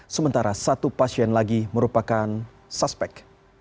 sementara satu pasien lagi merupakan suspek